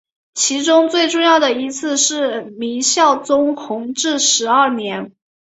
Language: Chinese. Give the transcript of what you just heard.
其中最重要的一次是明孝宗弘治十二年。